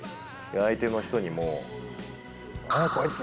相手の人にも何だこいつ？